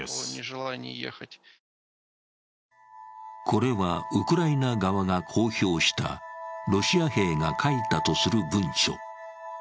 これはウクライナ側が公表したロシア兵が書いたとする文書。